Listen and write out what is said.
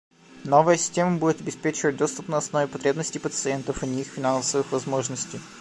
Новая система будет обеспечивать доступ на основе потребностей пациентов, а не их финансовых возможностей.